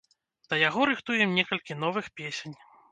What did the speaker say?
Да яго рыхтуем некалькі новых песень.